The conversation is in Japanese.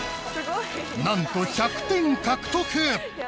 なんと１００点獲得！